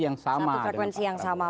satu frekuensi yang sama